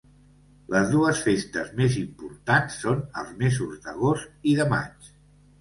Les dues festes més importants són als mesos d'agost i de maig.